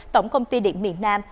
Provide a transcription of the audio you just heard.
tổng công ty điện miền nam